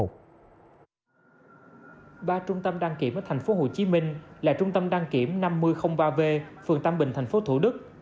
ba trung tâm đăng kiểm ở tp hcm là trung tâm đăng kiểm năm nghìn ba v phường tam bình tp thủ đức